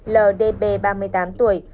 ldb ba mươi tám tuổi